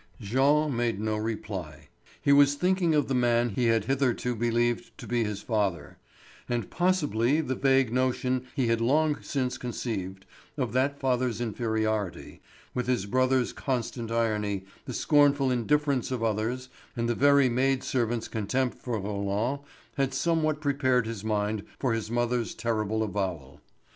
Jean made no reply. He was thinking of the man he had hitherto believed to be his father; and possibly the vague notion he had long since conceived, of that father's inferiority, with his brother's constant irony, the scornful indifference of others, and the very maid servant's contempt for Roland, had somewhat prepared his mind for his mother's terrible avowal.